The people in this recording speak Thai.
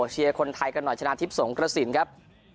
เชียร์คนไทยกันหน่อยชนะทิพย์สงกระสินครับ